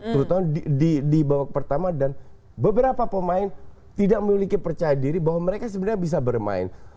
terutama di babak pertama dan beberapa pemain tidak memiliki percaya diri bahwa mereka sebenarnya bisa bermain